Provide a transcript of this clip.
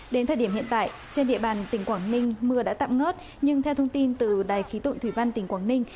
đến thời điểm hiện tại trên địa bàn tỉnh quảng ninh mưa đã tạm ngớt nhưng theo thông tin từ đài khí tượng thủy văn tỉnh quảng ninh